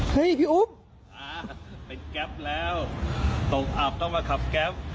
พี่อุ้มเป็นแก๊ปแล้วตกอับต้องมาขับแก๊ป